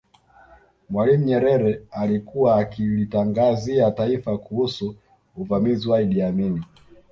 Mwalimu Nyerere alikuwa akilitangazia taifa kuhusu uvamizi wa Idi Amin